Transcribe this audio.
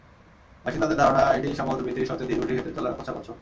বাসিন্দাদের ধারণা, এটিই সম্ভবত পৃথিবীর সবচেয়ে ধীরগতির হেঁটে চলা পোষা কচ্ছপ।